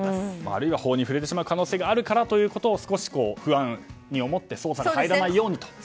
あるいは法に触れてしまう可能性があるからと少し不安に思って捜査が入らないようにと。